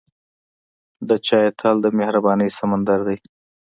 د چای تل د مهربانۍ سمندر دی.